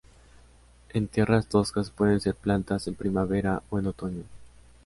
En tierras toscas pueden ser plantas en primavera o en otoño.